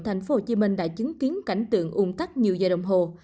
thành phố hồ chí minh đã chứng kiến cảnh tượng ung tắt nhiều giờ đồng hồ